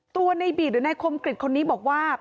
ตัวในบีดหรือนายคมกริจคนนี้บอกว่า